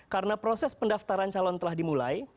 karena proses pendaftaran calon telah dimulai